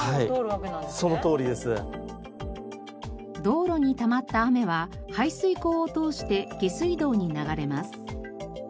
道路にたまった雨は排水口を通して下水道に流れます。